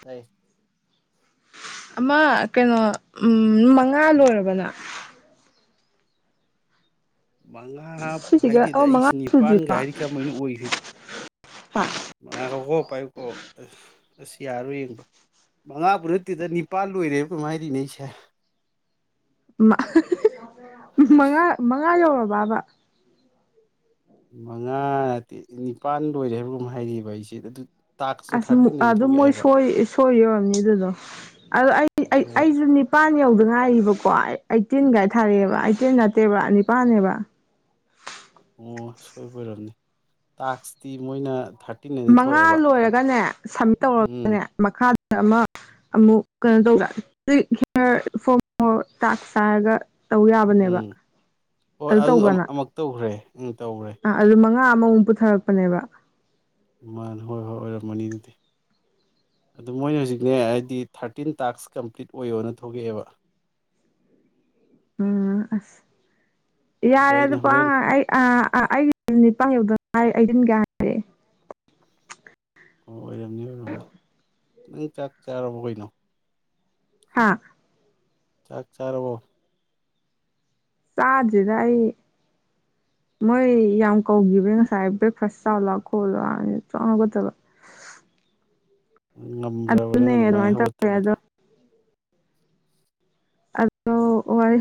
ꯇꯥꯏ ꯑꯃ ꯀꯩꯅꯣ ꯃꯉꯥ ꯂꯣꯏꯔꯕ ꯅ ꯃꯉꯥ ꯁꯤꯁꯤꯒ ꯍꯥꯏꯗꯦꯗ ꯑ ꯃꯉꯥ ꯑꯩꯁꯤ ꯅꯤꯄꯥꯟꯒ ꯁꯨꯗ꯭ꯔꯤꯀꯣ ꯍꯥꯏꯔꯤ ꯀꯃꯥꯏꯅ ꯑꯣꯏꯔꯤ ꯉꯥꯏꯈꯣꯀꯣ ꯄꯥꯏꯌꯨꯀꯣ ꯑꯁ ꯑꯁ ꯌꯥꯔꯔꯣꯏ ꯌꯦꯡꯕ ꯃꯉꯥꯕꯨ ꯅꯠꯇꯦꯗ ꯅꯤꯄꯥꯜ ꯂꯣꯏꯔꯦꯕ ꯀꯩꯅꯣꯝ ꯍꯥꯏꯔꯤꯅꯦ ꯑꯩꯁꯦ ꯃ ꯑꯍ ꯍꯤ ꯍꯤ ꯃꯉꯥ ꯃꯉꯥ ꯌꯧꯔ ꯕꯕ ꯃꯉꯥ ꯗꯤ ꯅꯤꯄꯥꯜ ꯂꯣꯏꯔꯦꯒꯨꯝ ꯍꯥꯏꯕ꯭ꯔ ꯀꯩꯅꯣꯝ ꯍꯥꯏꯔꯤꯕ ꯑꯩꯁꯦ ꯑꯗꯨ ꯇꯥꯛꯁꯇꯣ ꯑꯁ ꯃꯨꯛ ꯊꯥꯔꯇꯤꯟ ꯑꯅ ꯑꯗꯨꯝ ꯃꯣꯏ ꯊꯣꯛꯂꯛꯑꯦꯕ ꯁꯣꯏ ꯁꯣꯏꯔꯤ ꯑꯣꯏꯔꯝꯅꯤ ꯑꯗꯨꯗꯣ ꯑꯗ ꯑꯩ ꯍꯣꯏꯕ ꯑꯩꯖꯨ ꯅꯤꯄꯥꯟ ꯌꯧꯗ ꯉꯥꯏꯔꯤꯕ ꯀꯣ ꯑꯩꯠꯇꯤꯟꯒꯥꯏ ꯊꯥꯔꯛꯑꯦꯕ ꯑꯩꯠꯇꯤꯟ ꯅꯠꯇꯦꯕ ꯅꯤꯄꯥꯜꯅꯦꯕ ꯑꯣ ꯁꯣꯏꯕꯣꯏꯔꯝꯅꯤ ꯇꯥꯛꯁꯇꯤ ꯃꯣꯏꯅ ꯊꯥꯔꯇꯤꯟ ꯑꯅꯤ ꯃꯉꯥ ꯊꯣꯛꯑꯦꯕ ꯊꯥꯔꯇꯤ ꯂꯣꯏꯔꯒꯅꯦ ꯁꯃꯤꯠ ꯎꯝ ꯇꯧꯔꯒꯅꯦ ꯃꯈꯥ ꯑꯃ ꯑꯃꯨꯛ ꯀꯩꯅꯣ ꯇꯧꯗ ꯍꯤꯌꯥꯔ ꯐꯣꯔ꯭ꯝ ꯇꯥꯛꯁ ꯍꯥꯏꯔꯒ ꯇꯧ ꯌꯥꯕꯅꯦꯕ ꯎꯝ ꯍꯣꯏ ꯑꯗꯨ ꯇꯧꯕ꯭ꯔꯥ ꯅꯪ ꯑꯃꯨꯛ ꯇꯧꯈ꯭ꯔꯦ ꯎꯝ ꯇꯧꯔꯦ ꯑꯗꯨ ꯃꯉꯥ ꯑꯃꯃꯨꯛ ꯄꯨꯊꯔꯛꯄꯅꯦꯕ ꯃꯥꯅꯤ ꯍꯣꯏ ꯍꯣꯏ ꯑꯣꯏꯔꯝꯃꯅꯤ ꯑꯗꯨꯗꯤ ꯑꯗꯨ ꯃꯣꯏꯅ ꯍꯧꯖꯤꯛꯅꯦ ꯍꯥꯏꯗꯤ ꯊꯥꯔꯇꯤꯟ ꯇꯥꯛꯁ ꯀꯝꯄ꯭ꯂꯤꯠ ꯑꯣꯏꯌꯣꯅ ꯊꯣꯛꯂꯛꯑꯦꯕ ꯎꯝ ꯑꯁ ꯑꯗꯣ ꯌꯥꯔꯦ ꯑꯗꯨ ꯑꯩꯅ ꯍꯣꯔꯦꯟ ꯄꯉꯥꯡ ꯉꯥꯡ ꯑꯩ ꯑ ꯑ ꯑ ꯑꯩꯒꯤ ꯅꯤꯄꯥꯟ ꯌꯧꯗꯅ ꯑꯩꯗꯤꯝ ꯌꯥꯔꯦ [unintelligible] ꯑꯣ ꯑꯣꯏꯔꯝꯅꯤ ꯑꯣꯏꯔꯝꯅꯤ ꯅꯪ ꯆꯥꯛ ꯆꯥꯔꯕꯣ ꯀꯩꯅꯣ ꯍꯥꯥ ꯆꯥꯛ ꯆꯥꯔꯕꯣ ꯆꯥꯗ꯭ꯔꯤꯗ ꯑꯩ ꯃꯣꯏ ꯌꯥꯝ ꯀꯧꯒ꯭ꯔꯤꯕ ꯉꯁꯥꯏ ꯕ꯭ꯔꯦꯛꯐꯥꯁ ꯆꯥꯎꯂꯥꯎ ꯈꯣꯠꯂꯨꯂꯥꯎꯅ ꯑꯩ ꯁꯨꯡꯍ ꯍ‌ꯣꯒꯠꯇꯕ [unintelligible] ꯉꯝꯕ꯭ꯔꯕ ꯅꯪ ꯑꯗꯨꯃꯥꯏꯅ ꯇꯧꯋꯦ ꯍꯧꯒꯠꯇꯕꯗꯣ ꯑꯗꯣ ꯑꯗꯣ ꯋꯥꯏ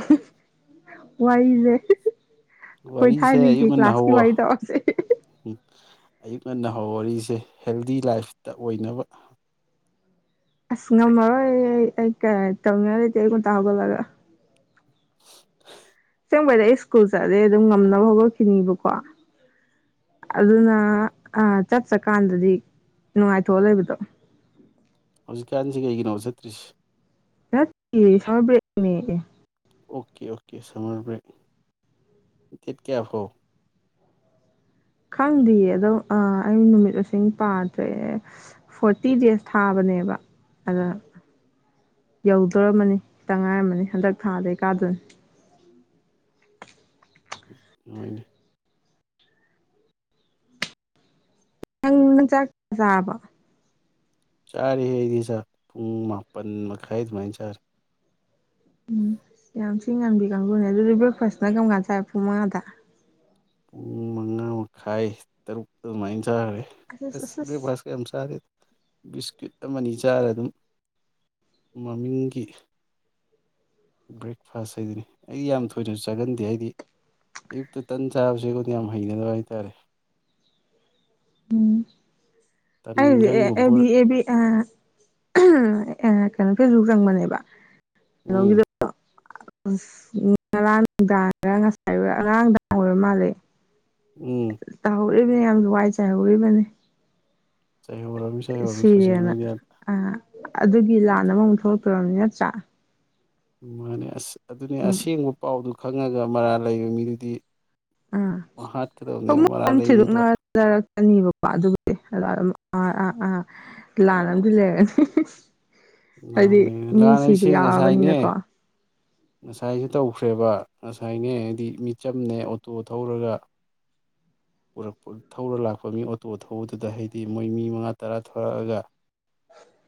ꯋꯥꯔꯤꯁꯦ ꯑꯩꯈꯣꯏ ꯋꯥꯔꯤꯁꯦ ꯊꯥꯏꯅꯒꯤ ꯑꯌꯨꯛ ꯉꯟꯅ ꯀ꯭ꯂꯥꯁꯀꯤ ꯍꯧꯋꯣ ꯋꯥꯔꯤ ꯇꯣꯛꯑꯁꯤ ꯑꯌꯨꯛ ꯉꯟꯅ ꯍꯧꯋꯣ ꯋꯥꯔꯤꯁꯦ ꯍꯦꯜꯗꯤ ꯂꯥꯏꯐꯇ ꯑꯣꯏꯅꯕ ꯑꯁ ꯉꯝꯃꯔꯣꯏ ꯑꯩ ꯑꯩ ꯀ ꯇꯧꯅꯤꯡꯉꯥꯏ ꯂꯩꯇ ꯑꯩꯌꯨꯛ ꯉꯟꯇꯥ ꯍꯧꯒꯠꯂꯒ ꯑꯁꯦꯡꯕꯗꯤ ꯑꯩ ꯁ꯭ꯀꯨꯜ ꯆꯠꯂꯗꯤ ꯑꯗꯨꯝ ꯉꯝꯅꯕ ꯍꯧꯒꯠꯈꯤꯅꯤꯕꯀꯣ ꯑꯗꯨꯅ ꯆꯠ ꯆꯠꯀꯥꯟꯗꯗꯤ ꯅꯨꯡꯉꯥꯏꯊꯣꯛꯑ ꯂꯩꯕꯗꯣ ꯍꯧꯖꯤꯛ ꯀꯥꯟꯁꯤ ꯀꯩꯒꯤꯅꯣꯕ ꯆꯠꯇ꯭ꯔꯤꯁꯤ ꯔ ꯁꯝꯃꯔ ꯕꯔꯦꯛꯅꯦ ꯑꯦ okay okay summer break date ꯀꯌꯥ ꯐꯧ ꯈꯪꯗꯤꯌꯦ ꯑꯗꯣ ꯑ ꯑꯩ ꯅꯨꯃꯤꯠ ꯃꯁꯤꯡ ꯄꯥꯗ꯭ꯔꯦ ꯐꯣꯔꯇꯤ ꯗꯦꯖ ꯊꯥꯕꯅꯦꯕ ꯑꯗ ꯌꯧꯗꯣꯔꯝꯃꯅꯤ ꯈꯤꯇꯪ ꯉꯥꯏꯔꯝꯃꯅꯤ ꯍꯟꯗꯛ ꯊꯥꯗꯩ ꯀꯥꯗꯣꯏꯅꯤ ꯍꯣꯏꯅꯦ ꯅꯪ ꯃ ꯆꯥꯛ ꯆꯥꯔꯕꯣ ꯆꯥꯔꯤ ꯑꯩꯗꯤ ꯆꯥꯛ ꯄꯨꯡ ꯃꯥꯄꯟ ꯃꯈꯥꯏ ꯑꯗꯨꯃꯥꯏꯅ ꯆꯔꯦ ꯎꯝ ꯌꯥꯝ ꯊꯤ ꯉꯟꯕꯤ ꯀꯥꯡꯕꯨꯅꯦ ꯑꯗꯨꯗꯤ ꯕ꯭ꯔꯦꯛꯐꯥꯁꯅ ꯀꯔꯝ ꯀꯥꯟ ꯆꯥꯏ ꯄꯨꯡ ꯃꯉꯥꯗ ꯄꯨꯡ ꯃꯉꯥ ꯃꯈꯥꯏ ꯇꯔꯨꯛ ꯑꯗꯨꯃꯥꯏꯅ ꯆꯥꯔꯦ ꯑꯁ ꯕ꯭ꯔꯦꯛꯐꯥꯁꯀ ꯌꯥꯝ ꯆꯥꯗꯦ ꯕꯤꯁꯀ꯭ꯋꯤꯠ ꯑꯃꯅꯤ ꯆꯥꯔ ꯑꯗꯨꯝ ꯃꯃꯤꯡꯒꯤ ꯕ꯭ꯔꯦꯛꯐꯥꯁ ꯍꯥꯏꯗꯨꯅꯤ ꯑꯩꯗꯤ ꯌꯥꯝ ꯊꯣꯏꯅ ꯆꯥꯒꯟꯗꯦ ꯑꯩꯗꯤ ꯑꯌꯨꯛꯇ ꯇꯟ ꯆꯥꯕꯁꯦ ꯑꯩꯈꯣꯏꯗꯤ ꯌꯥꯝ ꯍꯩꯅꯗꯕ ꯍꯥꯏꯇꯥꯔꯦ ꯎꯝ ꯑꯩꯗꯤ ꯑꯦꯕꯤ ꯇꯟꯒꯪꯒꯨꯝꯕ ꯑꯦꯕꯤ ꯑ ꯀꯩꯅꯣ ꯐꯦꯁꯕꯨꯛ ꯆꯪꯕꯅꯦꯕ ꯎꯝ ꯑ ꯉꯔꯥꯡ ꯅꯨꯡꯗꯥꯡꯔ ꯉꯁꯥꯏꯔ ꯉꯔꯥꯡ ꯅꯨꯡꯗꯥꯡ ꯑꯣꯏꯔ ꯃꯥꯜꯂꯦ ꯎꯝ ꯇꯥꯎ ꯌꯥꯝ ꯋꯥꯏ ꯆꯥꯏ ꯍꯧꯔꯤꯕꯅꯤ ꯆꯩꯍꯧꯔꯝꯃꯤ ꯆꯩꯍꯧꯔꯝꯃꯤ ꯁꯣꯁꯦꯜ ꯁꯤꯔꯦꯅ ꯃꯦꯗꯤꯌꯥꯗ ꯑ ꯑꯗꯨꯒꯤ ꯂꯥꯟ ꯑꯗꯨ ꯑꯃꯃꯨꯛ ꯊꯣꯛꯂꯛꯇꯣꯏꯔꯝꯅꯤ ꯆꯥ ꯃꯥꯅꯦ ꯑꯁ ꯑꯗꯨꯅꯦ ꯑꯁꯦꯡꯕ ꯄꯥꯎꯗꯨ ꯈꯪꯉꯒ ꯃꯔꯥꯜ ꯂꯩꯕ ꯃꯤꯗꯨꯗꯤ ꯍꯥꯠꯀꯗꯕꯅꯦꯕ ꯃꯔꯥꯜ ꯂꯩ ꯃꯤꯗꯣ [unintelligible] ꯑꯅꯦꯕꯀꯣ ꯑꯗꯨꯕꯨꯗꯤ ꯑꯥ ꯑꯥ ꯑꯥ ꯂꯥꯟ ꯑꯃꯗꯤ ꯂꯩꯔꯅꯤ ꯅꯍꯥꯟ ꯍꯥꯏꯗꯤ ꯂꯩ ꯃꯤ ꯅꯍꯥꯟ ꯁꯤꯕ ꯑꯩꯁꯦ ꯉꯁꯥꯏꯅꯦ ꯌꯥꯎꯔꯕꯅꯤꯅꯀꯣ ꯉꯁꯥꯏꯁꯨ ꯇꯧꯈ꯭ꯔꯦꯕ ꯉꯁꯥꯏꯅꯦ ꯍꯥꯏꯗꯤ ꯃꯤꯆꯝꯅꯦ ꯑꯣꯇꯣ ꯊꯧꯔꯒ ꯄꯨꯔꯛꯄ ꯊꯧꯔ ꯂꯥꯛꯄ ꯃꯤ ꯑꯣꯇꯣ ꯊꯧꯕꯗꯨꯗ ꯍꯥꯏꯗꯤ ꯃꯣꯏ ꯃꯤ ꯃꯉꯥ ꯇꯔꯥ ꯊꯣꯔꯛꯑꯒ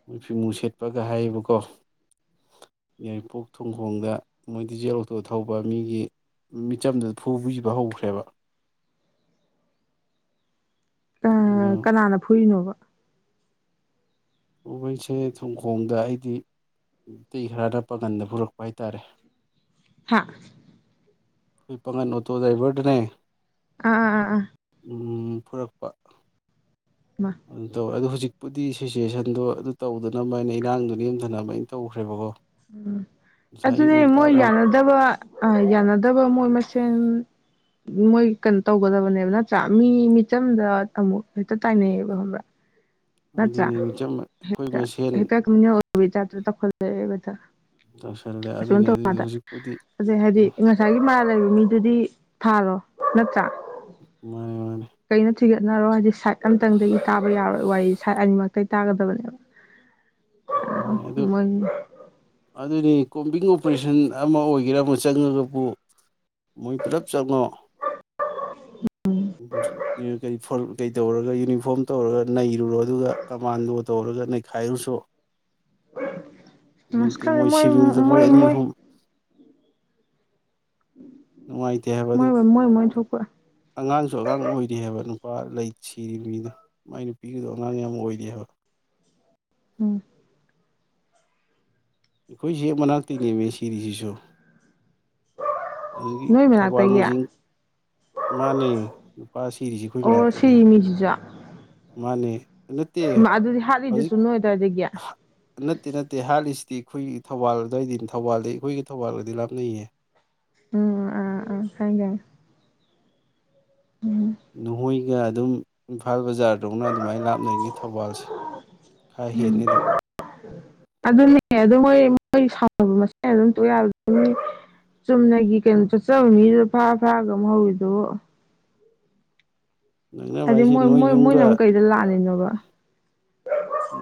ꯃꯣꯏ ꯐꯤꯃꯨ ꯁꯦꯠꯄꯒ ꯍꯥꯏꯌꯦꯕꯀꯣ ꯌꯥꯔꯤꯄꯣꯛ ꯊꯣꯡꯈꯣꯡꯗ ꯃꯣꯏ ꯗꯤꯖꯦꯜ ꯑꯣꯇꯣ ꯊꯧꯕ ꯃꯤꯒꯤ ꯃꯤꯆꯝꯗꯨ ꯐꯨꯕꯤꯕ ꯍꯧꯈ꯭ꯔꯦꯕ ꯑꯗꯣ ꯑ ꯀꯅꯥꯅ ꯐꯨꯏꯅꯣꯕ ꯐꯨꯕꯩꯁꯦ ꯊꯣꯡꯈꯣꯡꯗ ꯍꯥꯏꯗꯤ ꯃꯩꯇꯩ ꯈꯔꯅ ꯄꯥꯒꯟꯗ ꯐꯨꯔꯛꯄ ꯍꯥꯏꯇꯥꯔꯦ ꯍꯥ ꯑꯩ ꯄꯥꯡꯒꯟ ꯑꯣꯇꯣ ꯗ꯭ꯔꯥꯏꯕꯔꯗꯅꯦ ꯑꯥ ꯑꯥ ꯑꯥ ꯐꯨꯔꯛꯄ ꯃꯥ ꯑꯗꯨ ꯍꯧꯖꯤꯛ ꯄꯨꯗꯤ ꯁꯤꯆꯨꯋꯦꯁꯟꯗꯣ ꯑꯗꯨ ꯇꯧꯗꯅꯕꯥꯏꯩꯅ ꯏꯔꯥꯡꯗꯣ ꯅꯦꯝꯊꯅꯕ ꯑꯥꯏꯩꯅ ꯇꯧꯈ꯭ꯔꯦꯕꯀꯣ ꯎꯝ ꯉꯁꯥꯏ ꯑꯌꯨꯛ ꯑꯗꯨꯅꯦ ꯉꯟꯇꯥ ꯃꯣꯏ ꯑꯃ ꯌꯥꯅꯗꯕ ꯑ ꯌꯥꯅꯗꯕ ꯃꯣꯏ ꯃꯥꯁꯦꯜ ꯁꯦꯟ ꯃꯣꯏ ꯀꯩꯅꯣ ꯇꯧꯒꯗꯕꯅꯦꯕ ꯅꯠꯇ꯭ꯔ ꯃꯤ ꯃꯤꯆꯝꯗ ꯑꯃꯨꯛ ꯍꯛꯇꯥ ꯇꯥꯏꯅꯦꯕ ꯅꯠꯇ꯭ꯔꯥ ꯑꯗꯨꯅꯤ ꯃꯤꯆꯝ ꯑꯩꯈꯣꯏ ꯃꯁꯦꯟ [unintelligible] [unintelligible] [unintelligible] ꯇꯧꯁꯜꯂꯦ ꯑꯗꯨꯅꯦ ꯑꯗꯨꯗꯤ ꯍꯧꯖꯤꯛꯄꯨꯗꯤ ꯍꯥꯏꯗꯤ ꯉꯁꯥꯏꯒꯤ ꯃꯔꯥꯜ ꯂꯩꯕ ꯃꯤ ꯑꯗꯨꯗꯤ ꯊꯥꯔꯣ ꯅꯠꯇ꯭ꯔꯥ ꯃꯥꯅꯦ ꯑꯗꯨꯅꯔꯣ ꯍꯥꯏꯗꯤ ꯁꯥꯏ ꯑꯝꯇꯪꯗꯒꯤ ꯇꯥꯕ ꯌꯥꯔꯣꯏ ꯋꯥꯔꯤꯁꯦ ꯇꯥꯒꯗꯕꯅꯦꯕ ꯃꯥꯅꯦ ꯑꯗꯨ ꯃꯣꯏ ꯑꯗꯨ ꯀꯣꯝꯕꯤꯡ ꯑꯣꯄꯔꯦꯁꯟ ꯑꯃ ꯑꯣꯏꯒꯦꯔꯥ ꯑꯃ ꯆꯪꯉꯒꯕꯨ ꯃꯣꯏ ꯄꯨꯂꯞ ꯆꯪꯎ ꯎ ꯀꯔꯤ ꯐ ꯀꯩ ꯇꯧꯔꯒ [unintelligible] ꯌꯨꯅꯤꯐꯣꯔꯝ ꯇꯧꯔꯒ ꯅꯩ ꯨꯔꯣ ꯑꯗꯨꯒ ꯀꯃꯥꯟꯗꯣ ꯇꯧꯔꯒ ꯈꯥꯏꯁꯨ ꯅꯁꯀꯔ ꯃꯣꯏ ꯁꯤꯚꯤꯜꯗ ꯃꯣꯏ ꯑꯅꯤ ꯃꯣꯏ ꯑꯍꯨꯝ ꯅꯨꯡꯉꯥꯏꯇꯦ ꯍꯥꯏꯕ ꯑꯗꯨ ꯀ [unintelligible] ꯑꯉꯥꯡꯁꯨ ꯑꯉꯥꯡ ꯑꯣꯏꯔꯤ ꯍꯥꯏꯕ ꯅꯨꯄꯥ ꯂꯩ ꯁꯤꯔꯤꯕ ꯃꯤꯗꯣ ꯃꯥꯏ ꯅꯨꯄꯤꯒꯤꯗꯣ ꯑꯉꯥꯡ ꯌꯥꯝ ꯑꯣꯏꯔꯤ ꯍꯥꯏꯕ ꯎꯝ ꯑꯩꯈꯣꯏꯁꯤ ꯍꯦꯛ ꯃꯅꯥꯛꯇꯅꯦꯃꯦ ꯁꯤꯔꯤꯁꯤꯁꯨ ꯑꯗꯨꯗꯒꯤ ꯅꯣꯏ ꯊꯧꯕꯥꯜ ꯃꯅꯥꯛꯇꯒꯤ ꯃꯣꯏꯖꯤꯡ ꯃꯥꯅꯤ ꯅꯨꯨꯄꯥ ꯁꯤꯔꯤꯁꯤ ꯑꯩꯈꯣꯏ ꯑꯣ ꯃꯅꯥꯛꯇꯩꯅꯦ ꯁꯤꯒꯤ ꯃꯤꯁꯤꯁꯨ ꯃꯥꯅꯦ ꯅꯠꯇꯦ ꯑꯗꯨꯗꯤ ꯍꯧꯖꯤꯛ ꯍꯥꯠꯂꯤꯗꯨꯁꯨ ꯅꯣꯏ ꯑꯗꯨꯋꯥꯏꯗꯒꯤ ꯅꯠꯇꯦ ꯅꯠꯇꯦ ꯍꯥꯂꯤꯁꯤ ꯑꯩꯈꯣꯏꯒꯤ ꯊꯧꯕꯥꯜꯗꯋꯥꯏꯗꯤ ꯊꯧꯕꯥꯜꯗꯤ ꯑꯩꯈꯣꯏꯒꯤ ꯊꯧꯕꯥꯜꯒꯗꯤ ꯂꯥꯞꯅꯩꯌꯦ ꯎꯝ ꯑ ꯑ ꯅꯍꯣꯏ ꯑꯩ ꯑꯗꯨꯝ ꯏꯝꯐꯥꯜ ꯕꯖꯥꯔꯗꯧꯅ ꯑꯗꯨꯃꯥꯏꯅ ꯂꯥꯞꯅꯅꯤ ꯊꯧꯕꯥꯜꯁꯦ ꯈꯔ ꯍꯦꯅꯤ ꯑꯗꯨꯝ ꯑꯗꯨꯅꯦ ꯑꯗꯨ ꯃꯣꯏ ꯃꯣꯏ ꯁꯥꯎꯅꯕ ꯃꯁꯦꯟ ꯑꯗꯨꯝ ꯇꯧ ꯌꯥꯕꯗꯨ ꯆꯨꯝꯅꯒꯤ ꯀꯩꯅꯣ ꯆꯠꯆꯕ ꯃꯤꯗꯨꯗ ꯐꯥ ꯐꯥꯔꯒ ꯑꯃꯨꯛ ꯍꯧꯋꯤꯗꯨꯕꯨ ꯅꯛꯅꯕ ꯍꯥꯏꯗꯤ ꯍꯥꯏꯁꯦ ꯃꯣꯏ ꯅꯣꯏ ꯃꯣꯏ ꯃꯣꯏꯅ ꯌꯨꯝꯒ ꯑꯃꯨꯛ ꯀꯩꯗ ꯂꯥꯂꯤꯅꯣꯕ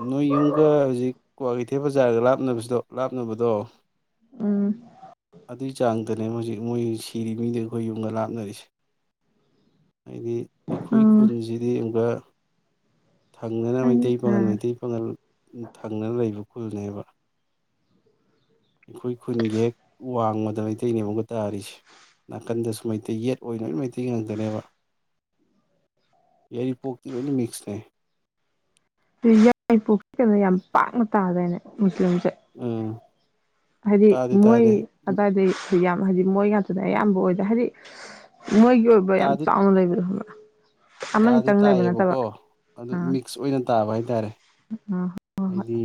ꯅꯣꯏ ꯌꯨꯝꯒ ꯍꯧꯖꯤꯛ ꯀ꯭ꯋꯥꯀꯩꯊꯦꯜ ꯕꯖꯥꯔꯒ ꯂꯥꯞꯅꯕꯁꯤꯗꯣ ꯂꯥꯞꯅꯕꯗꯣ ꯎꯝ ꯑꯗꯨꯏ ꯆꯥꯡ ꯗꯅꯦ ꯍꯧꯖꯤꯛ ꯃꯣꯏ ꯁꯤꯔꯤ ꯃꯤꯗ ꯑꯩꯈꯣꯏ ꯌꯨꯝꯒ ꯂꯥꯞꯅꯔꯤꯁꯦ ꯍꯥꯏꯗꯤ ꯑꯩꯈꯣꯏ ꯎꯝ ꯈꯨꯟꯁꯤꯗꯤ [unintelligible] ꯊꯪꯅꯅ ꯈꯪꯉꯦ ꯃꯩꯇꯩꯩ ꯄꯪꯒꯜ ꯑꯥ ꯃꯩꯇꯩ ꯄꯪꯒꯜ ꯊꯪꯅ ꯂꯩ ꯕꯨ ꯈꯨꯜꯅꯦꯕ ꯑꯩꯈꯣꯏ ꯈꯨꯟꯒꯤ ꯍꯦꯛ ꯋꯥꯡꯃꯗ ꯃꯩꯇꯩꯅꯦ ꯑꯃꯨꯒ ꯇꯥꯔꯤꯁꯦ ꯅꯥꯀꯟꯗꯁꯨ ꯃꯩꯇꯩ ꯌꯦꯠ ꯑꯣꯏꯅ ꯂꯣꯏꯅ ꯃꯩꯇꯩ ꯉꯥꯛꯇꯅꯦꯕ ꯌꯥꯏꯔꯤꯄꯣꯛꯇꯤ ꯂꯣꯏꯅ ꯃꯤꯛꯁꯅꯦ ꯌꯥꯏꯄꯣꯛ ꯀꯩꯅꯣ ꯌꯥꯝ ꯄꯥꯛꯅ ꯇꯥꯗꯥꯏꯅꯦ ꯃꯨꯁꯂꯤꯝ ꯎꯝ ꯍꯥꯏꯗꯤ ꯇꯥꯗꯤ ꯃꯣꯏ ꯇꯥꯗꯦ ꯑꯗꯥꯏꯗꯩ ꯌꯥꯝ ꯍꯥꯏꯗꯤ ꯃꯣꯏ ꯉꯥꯛꯇꯗ ꯑꯌꯥꯝꯕ ꯑꯣꯏꯗ ꯍꯥꯏꯗꯤ ꯃꯣꯏꯒꯤ ꯑꯣꯏꯕ ꯌꯥꯝ ꯇꯥꯗꯤ ꯆꯥꯎꯅ ꯂꯩꯕꯗꯣ [unintelligible] ꯇꯥꯗꯤ ꯑꯃꯅꯤꯇꯪ ꯂꯩꯕ ꯅꯠꯇꯕ ꯇꯥꯏꯌꯦꯕꯀꯣ ꯑꯗꯨ ꯑꯥ ꯃꯤꯛꯁ ꯑꯣꯏꯅ ꯇꯥꯕ ꯍꯥꯏ ꯇꯥꯔꯦ ꯑꯥ ꯍꯥꯏꯗꯤ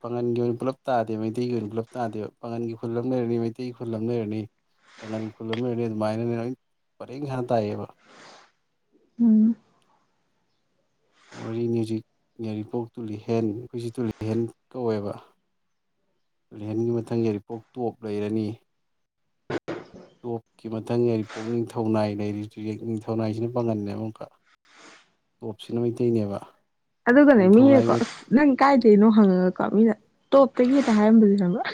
ꯄꯥꯉꯟꯒꯤ ꯑꯣꯏꯅ ꯄꯨꯂꯞ ꯇꯥꯗꯦ ꯃꯩꯇꯩꯒꯤ ꯑꯣꯏꯅ ꯄꯨꯜꯂꯞ ꯇꯥꯗꯦꯕ ꯄꯥꯉꯟꯒꯤ ꯈꯨꯜ ꯑꯃ ꯂꯩꯔꯅꯤ ꯃꯩꯇꯩꯒꯤ ꯈꯨꯜ ꯑꯃ ꯂꯩꯔꯅꯤ ꯄꯥꯒꯟꯒꯤ ꯈꯨꯜ ꯑꯃ ꯂꯩꯔꯅꯤ ꯑꯗꯨꯃꯥꯏꯅꯅꯦ ꯂꯣꯏ ꯄꯔꯦꯡ ꯁꯥꯡꯅ ꯇꯥꯏꯌꯦꯕ ꯎꯝ ꯋꯥꯔꯤꯅꯤꯖꯤꯛ ꯌꯥꯔꯤꯄꯣꯛ ꯇꯨꯂꯤꯍꯦꯟ ꯑꯩꯈꯣꯏꯁꯤ ꯇꯨꯂꯤꯍꯦꯟ ꯀꯧꯋꯦꯕ ꯔꯍꯦꯟꯒꯤ ꯃꯊꯪ ꯌꯥꯏꯔꯤꯄꯣꯛ ꯇꯣꯞ ꯂꯩꯔꯅꯤ ꯇꯣꯞꯀꯤ ꯃꯊꯪ ꯌꯥꯔꯤꯄꯣꯛꯅꯤꯡꯊꯧꯅꯥꯏ ꯂꯩꯔꯤꯁꯨ ꯅꯤꯡꯊꯧꯅꯥꯏꯁꯤꯅ ꯄꯥꯒꯜꯟꯅꯦꯕ ꯑꯃꯨꯛꯀ ꯇꯣꯞꯁꯤꯅ ꯃꯩꯇꯩꯅꯦꯕ ꯑꯗꯨꯒꯅꯦ ꯅꯤꯡꯊꯧꯅꯥꯏ ꯃꯤꯌꯦꯀꯣ ꯅꯪ ꯀꯥꯏꯗ ꯀꯩꯅꯣ ꯍꯪꯉꯒꯀꯣ ꯃꯤꯅ ꯇꯣꯞꯇꯒꯤꯅꯦ ꯀꯥꯏ ꯍꯥꯏꯔꯝꯕꯁꯦ ꯈꯪꯕ꯭ꯔ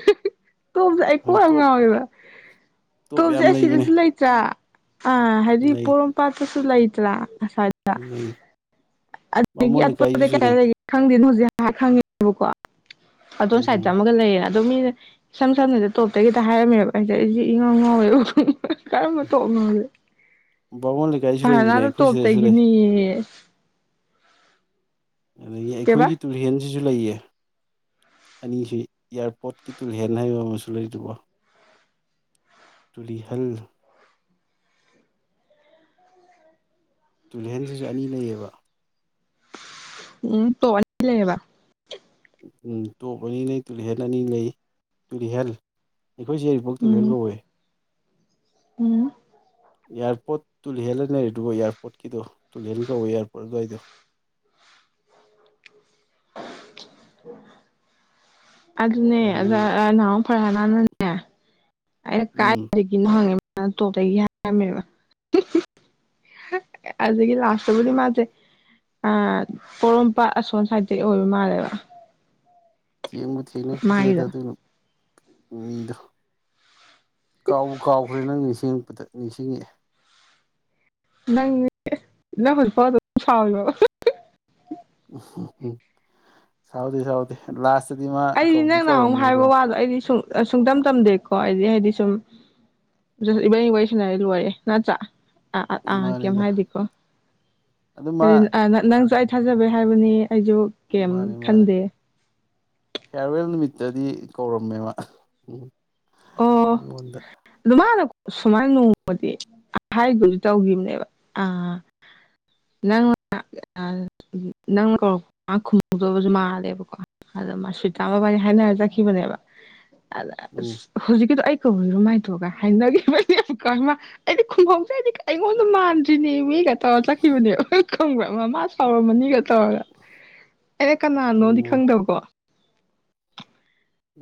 ꯇꯣꯞꯁꯦ ꯑꯩ ꯀꯣꯛ ꯍꯣꯏ ꯌꯥꯝ ꯇꯣꯞ ꯉꯥꯎꯋꯦꯕ ꯇꯣꯞ ꯇꯣꯞꯁꯦ ꯌꯥꯝ ꯂꯩꯕꯅꯦ ꯑꯁꯤꯗꯁꯨ ꯂꯩꯇ꯭ꯔꯥ ꯑꯥ ꯍꯥꯏꯗꯤ ꯂꯩ ꯄꯣꯔꯣꯝꯄꯥꯠ ꯀꯁꯨ ꯂꯩꯇ꯭ꯔꯥ ꯑꯁ꯭ꯋꯥꯏꯗ ꯂꯩ [unintelligible] [unintelligible] ꯕꯥꯃꯣꯟ ꯍꯧꯖꯤꯛ ꯂꯩꯀꯥꯏꯒꯤꯁꯨꯅꯦ ꯍꯥꯏ ꯈꯪꯉꯦꯕꯀꯣ ꯑꯗꯣ ꯁꯥꯏꯠꯇ ꯎꯝ ꯑꯃꯒ ꯂꯩꯔꯦꯅ ꯑꯗꯣ ꯃꯤꯅ ꯏꯁꯝ ꯁꯝꯅꯗ ꯇꯣꯞꯇꯒꯤꯇ ꯍꯥꯏꯔꯝꯃꯦꯕ ꯑꯩꯁꯦ ꯑꯩꯁꯦ ꯏꯉꯥꯎ ꯉꯥꯎꯋꯦꯕ ꯀꯔꯝꯕ ꯇꯣꯞ ꯅꯣꯁꯦ ꯕꯥꯃꯣꯟ ꯂꯩꯀꯥꯏꯁꯨ ꯂꯩꯕꯅꯦ ꯐꯥꯍꯥꯅꯥꯗꯣ ꯑꯩꯈꯣꯏ ꯁꯤꯗꯁꯨ ꯂꯩ ꯇꯣꯞꯇꯒꯤꯅꯦꯌꯦ ꯑꯗꯒꯤ ꯀꯩꯕ ꯑꯩꯈꯣꯏꯒꯤ ꯇꯨꯔꯦꯟꯖꯤ ꯨ ꯂꯩꯌꯦ ꯑꯅꯤꯁꯤ ꯏꯌꯥꯔꯄꯣꯠꯀꯤ ꯇꯨꯜꯔꯦꯟ ꯍꯥꯏꯕ ꯑꯃꯁꯨ ꯂꯩꯗꯨꯕꯣ ꯇꯨꯂꯤꯍꯜ ꯇꯨꯂꯤꯍꯟꯁꯤꯁꯨ ꯑꯅꯤ ꯂꯩꯌꯦꯕ ꯎꯝ [unintelligible] ꯎꯝ ꯇꯣꯞ ꯑꯅꯤ ꯂꯩ ꯇꯨꯂꯤꯍꯜ ꯑꯅꯤ ꯂꯩ ꯇꯨꯂꯤꯍꯜ ꯑꯩꯈꯣꯏꯁꯦ ꯎꯝ [unintelligible] ꯎꯝ꯫ ꯏꯌꯥꯔꯄꯣꯠ ꯇꯨꯂꯤꯍꯜ ꯅ ꯂꯩꯔꯤꯗꯨ ꯏꯌꯥꯔꯄꯣꯠꯀꯤꯗꯣ ꯇꯨꯂꯤꯍꯟ ꯀꯧꯌꯦ ꯏꯌꯥꯔꯄꯣꯠ ꯑꯗꯤꯏꯗꯣ꯫ [unintelligible] ꯑꯗꯨꯅꯦ ꯑꯗꯨ ꯑꯗ ꯑꯥ ꯅꯍꯥ [unintelligible] ꯑꯩꯅ ꯀꯥꯏ ꯎꯝ [unintelligible] ꯍꯪꯉꯦ ꯇꯣꯞꯇꯒꯤ ꯍꯥꯏꯔꯝꯃꯦꯕ ꯑꯗꯨꯗꯒꯤ ꯂꯥꯁꯇꯕꯨꯗꯤ ꯃꯥꯁꯦ ꯄꯣꯔꯣꯝꯄꯥꯠ ꯑꯁꯣꯟ ꯁꯥꯏꯇꯒꯤ ꯑꯣꯏꯕ ꯃꯥꯜꯂꯦꯕ꯫ ꯊꯦꯡꯕꯨ ꯊꯦꯡꯅꯈꯤꯗ꯭ꯔꯦꯗ ꯃꯥꯒꯤꯗꯣ ꯑꯗꯨꯏ ꯃꯤꯗꯣ ꯀꯥꯎꯕꯨ ꯀꯥꯎꯈ꯭ꯔꯦ ꯅꯪ ꯅꯤꯡꯁꯤꯡꯉꯛꯄꯗ ꯅꯤꯡꯁꯤꯡꯉꯛꯑꯦ꯫ ꯅꯪꯅꯦ ꯅꯪ ꯍꯧꯖꯤꯛ ꯐꯥꯎ ꯑꯗꯨꯝ ꯁꯥꯎꯔꯤꯕꯣꯕ ꯁꯥꯎꯗꯦ ꯁꯥꯎꯗꯦ ꯂꯥꯁ ꯑꯩꯗꯤ ꯅꯪ ꯅꯍꯥꯟꯃꯨꯛ ꯍꯥꯏꯕ ꯋꯥꯗꯣ ꯑꯩꯗꯤ ꯁꯣ ꯑ ꯁꯨꯡꯇꯝ ꯇꯝꯗꯦꯀꯣ ꯍꯥꯏꯗꯤ ꯍꯥꯏꯗꯤ ꯁꯨꯝꯁ ꯏꯕꯅꯤ ꯋꯥꯔꯤ ꯁꯅꯔꯤꯗꯣ ꯂꯣꯏꯔꯦ ꯅꯠꯇ꯭ꯔ ꯑ ꯑꯥ ꯀꯤꯝ ꯃꯥꯅꯤꯗ ꯍꯤꯏꯗꯦꯀꯣ [unintelligible] ꯑꯗꯨ ꯃꯥ ꯑꯥ ꯅꯪꯖꯨ [unintelligible] ꯊꯥꯖꯕꯩ ꯍꯥꯏꯕꯅꯤꯌꯦ ꯑꯩꯁꯨ ꯀꯩꯝ ꯃꯥꯅꯤ ꯃꯥꯅꯤ ꯈꯟꯗꯦ꯫ ꯇꯗꯤ ꯀꯧꯔꯝꯃꯦ ꯃꯥ ꯑꯣ ꯑꯩꯉꯣꯟꯗ ꯃꯥꯅ ꯁꯨꯃꯥꯏꯅ ꯅꯣꯡꯃꯗꯤ ꯍꯥꯏꯗꯣꯢ ꯇꯧꯕꯅꯦꯕ ꯑꯥ ꯅꯪꯅ [unintelligible] ꯃꯥꯜꯂꯦꯕꯀꯣ ꯑꯗ ꯃꯥ ꯁꯨꯇꯥꯒ ꯋꯥꯔꯤ ꯁꯥꯟꯅꯔ ꯆꯠꯈꯤꯕꯅꯦꯕ ꯑꯗ ꯎꯝ ꯑꯗꯨꯗꯣ ꯑꯩ [unintelligible] ꯍꯥꯏꯅꯈꯤꯕꯅꯦ ꯑꯩꯗꯤ ꯈꯨꯝꯍꯧꯗ꯭ꯔꯗꯤ ꯑꯩꯉꯣꯟꯗ ꯃꯥꯟꯗ꯭ꯔꯤꯅꯦ ꯃꯤ ꯇꯧꯔ ꯆꯠꯈꯝꯕꯅꯦꯕ ꯈꯪꯕ꯭ꯔꯥ ꯃꯃꯥ ꯁꯥꯎꯔꯝꯃꯅꯤ ꯇꯧꯔꯒ ꯑꯩꯅ ꯀꯅꯥꯅꯣꯗꯤ ꯎꯝ ꯈꯪꯗꯕꯀꯣ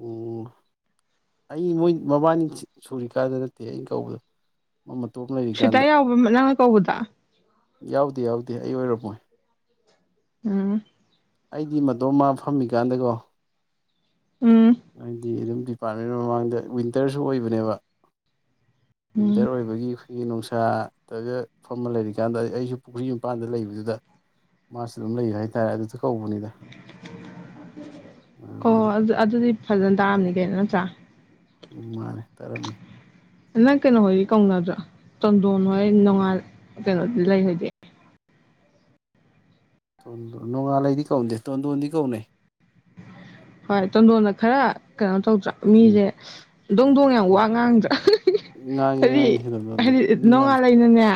ꯎꯝ ꯑꯩ ꯃꯣꯏ ꯃꯕꯥꯅꯤ ꯁꯨꯔꯤꯀꯥꯗ ꯅꯠꯇꯦ ꯑꯩꯅ ꯀꯧꯕꯗꯣ ꯃ ꯃꯇꯣꯝ ꯁ꯭ꯋꯦꯇꯥ ꯂꯩꯔꯤꯀꯥꯟꯗ꯫ ꯌꯥꯎꯕ ꯅꯪꯅ ꯀꯧꯕꯗ ꯌꯥꯎꯗꯦ ꯌꯥꯎꯗꯦ ꯑꯩ ꯑꯣꯏꯔꯝꯃꯣꯏ ꯎꯝ ꯑꯩꯗꯤ ꯃꯗꯣꯝ ꯃꯥ ꯐꯝꯃꯤꯀꯥꯟꯗꯀꯣ ꯎꯝ [unintelligible] ꯑꯗꯨꯝ ꯗꯤꯄꯥꯔꯠꯃꯦꯟ ꯃꯃꯥꯡꯗ ꯋꯤꯟꯇꯔꯁꯨ ꯑꯣꯏꯕꯅꯦꯕ ꯎꯝ ꯋꯤꯟꯇꯔ ꯑꯣꯏꯕꯒꯤ ꯑꯈꯣꯏꯒꯤ ꯅꯨꯡꯁꯤꯠ [unintelligible] ꯐꯝꯃ ꯂꯩꯔꯤꯀꯥꯟꯗ ꯑꯩꯁꯨ ꯄꯨꯈ꯭ꯔꯤ ꯃꯄꯥꯟꯗ ꯂꯩꯕꯗꯨꯗ ꯃꯥꯁꯨ ꯑꯗꯨꯝ ꯂꯩ ꯍꯥꯏꯇꯥꯔꯦ ꯑꯗꯨ ꯑꯣ ꯑꯗꯨꯅꯤ ꯑꯗꯨ ꯑꯗꯤ ꯐꯖꯅ ꯇꯥꯑꯝꯅꯤ ꯀꯩꯅꯣ ꯅꯠꯇ꯭ꯔꯥ ꯎꯝ ꯃꯥꯅꯤ ꯇꯥꯔꯝꯅꯤ ꯅꯪ ꯀꯩꯅꯣꯍꯣꯏꯗꯤ ꯀꯧꯅꯗ꯭ꯔꯣ ꯆꯟꯗꯣꯟ ꯍꯣꯏ ꯅꯣꯡꯉꯥꯜ ꯀꯩꯅꯣꯗꯤ ꯂꯩꯍꯣꯏꯗꯤ ꯅꯣꯡꯉꯥꯜꯂꯩꯗꯤ ꯀꯧꯅꯗꯦ ꯇꯣꯟꯗꯣꯟꯗꯤ ꯀꯧꯅꯩ ꯍꯣꯏ ꯇꯣꯟꯗꯣꯟꯅ ꯈꯔ ꯇꯧꯗ꯭ꯔꯥ ꯎꯝ ꯃꯤꯁꯦ ꯗꯣꯡ ꯗꯣꯡ ꯌꯥꯝ ꯑꯣ ꯋꯥ ꯉꯥꯡꯗ꯭ꯔꯥ ꯉꯥꯡꯉꯤ ꯍꯥꯏꯗꯤ ꯉꯥꯡꯉꯤ ꯇꯣꯟꯗꯣꯟꯗꯤ ꯍꯥꯏꯗꯤ ꯃꯤ ꯌꯥꯝ ꯅꯣꯡꯉꯥꯜꯂꯩꯅꯅꯦ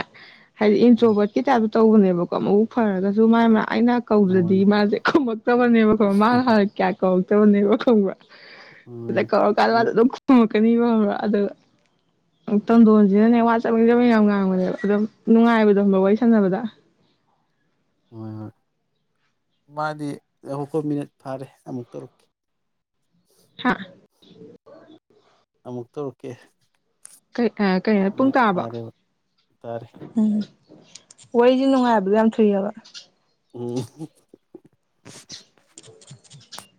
ꯍꯥꯏꯗꯤ ꯃꯤꯅꯤꯠ ꯏꯟꯇ꯭ꯔꯣꯕꯔ꯭ꯇ ꯀꯤ ꯇꯥꯢꯄ ꯇꯧꯕꯅꯦꯕꯀꯣ ꯃꯕꯨꯛ ꯐꯔꯒꯖꯨ ꯃꯥꯅ ꯑꯩꯅ ꯍꯣꯏ ꯀꯧꯗ꯭ꯔꯗꯤ ꯃꯥꯁꯦ ꯈꯨꯝꯃꯛꯇꯕꯅꯦꯕꯀꯣ ꯃꯥꯅ ꯍꯥꯟꯅ ꯀꯌꯥ ꯀꯧꯔꯛꯇꯕꯅꯦꯕ ꯈꯪꯕ꯭ꯔ [unintelligible] ꯃꯤꯅꯠ [unintelligible] ꯀꯅꯤꯕ ꯈꯪꯕꯔꯥ ꯑꯗꯨꯒ ꯇꯝꯗꯣꯟꯁꯤꯅꯅꯦ ꯋꯥ ꯆꯕꯦꯡ ꯆꯕꯦꯡ ꯌꯥꯝ ꯉꯥꯡꯕꯅꯦꯕ ꯑꯗꯨꯝ ꯅꯨꯡꯉꯥꯏꯕꯗꯣ ꯈꯪꯕ꯭ꯔ ꯋꯥꯔꯤ ꯁꯥꯟꯅꯕꯗ ꯍꯣꯏ ꯍꯣꯏ ꯃꯥꯗꯤ [unintelligible] ꯃꯤꯅꯠ ꯐꯥꯔꯦ ꯑꯃꯨꯛ ꯇꯧꯔꯛꯀꯦ ꯍꯥ ꯑꯃꯨꯛ ꯇꯧꯔꯛꯀꯦ [unintelligible] ꯑ ꯀꯩꯅꯣ ꯄꯨꯡ ꯃꯤꯅꯤꯠ ꯇꯥꯔꯕꯣ ꯐꯥꯔꯦꯕ ꯇꯥꯔꯦ ꯎꯪ ꯋꯥꯔꯤꯁꯦ ꯅꯨꯡꯉꯥꯏꯕꯗ ꯌꯥꯝ ꯊꯨꯏꯌꯦꯕ ꯎꯝ [unintelligible]